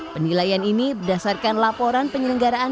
penilaian ini berdasarkan laporan penyelenggaraan